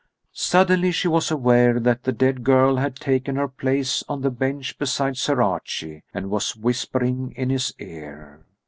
Suddenly she was aware that the dead girl had taken her place on the bench beside Sir Archie and was whispering in his ear.